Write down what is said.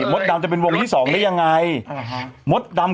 หนุ่มกัญชัยโทรมาแล้วหนุ่มกัญชัยโทรมา